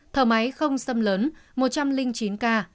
thở máy không xâm lấn một trăm linh chín ca